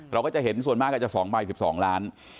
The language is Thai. เราก็จะเห็นส่วนมากอาจจะ๒ใบ๑๒ล้าน